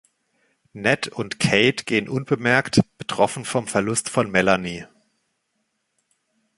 Ned und Kate gehen unbemerkt, betroffen vom Verlust von Melanie.